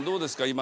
今！